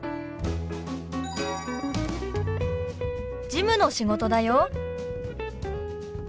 事務の仕事だよ。